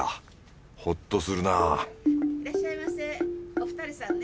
お二人さんね。